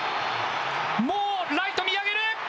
もう、ライト見上げる。